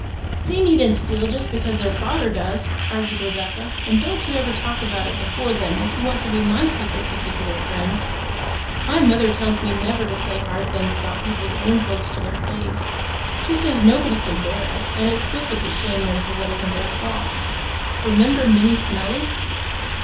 "They needn't steal just because their father does," argued Rebecca; "and don't you ever talk about it before them if you want to be my secret, partic'lar friends. My mother tells me never to say hard things about people's own folks to their face. She says nobody can bear it, and it's wicked to shame them for what isn't their fault. Remember Minnie Smellie!"